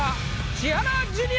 千原ジュニア！